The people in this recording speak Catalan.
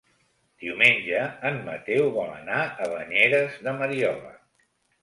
Diumenge en Mateu vol anar a Banyeres de Mariola.